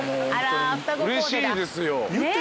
うれしいですよ。